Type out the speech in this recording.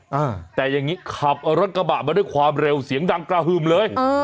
อ่าแต่อย่างงี้ขับรถกระบะมาด้วยความเร็วเสียงดังกระหึ่มเลยเออ